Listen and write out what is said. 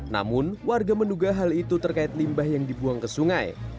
namun warga menduga hal itu terkait limbah yang dibuang ke sungai